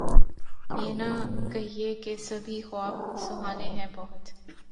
یہ نہ کہیے کہ سبھی خواب سہانے ہیں بہت